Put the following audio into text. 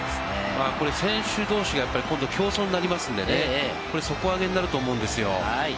選手同士が今度、競争になりますから、底上げになると思うんですよ。